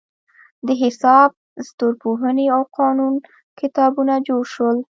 د حساب، ستورپوهنې او قانون کتابونه جوړ شول.